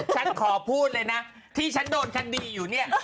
ฉันขอพูดเลยนะที่ฉันโดนคดีอยู่เนี่ย